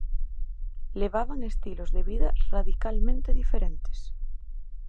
Levaban estilos de vida radicalmente diferentes.